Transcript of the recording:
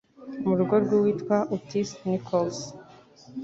mu rugo rw'uwitwa Otis Nichols.